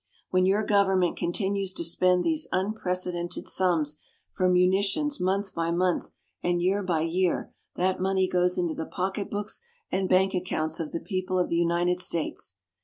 When your government continues to spend these unprecedented sums for munitions month by month and year by year, that money goes into the pocketbooks and bank accounts of the people of the United States.